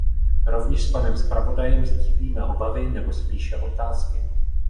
Rovněž s panem zpravodajem sdílíme obavy nebo spíše otázky.